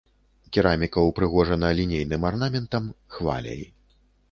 Кераміка ўпрыгожана лінейным арнаментам, хваляй.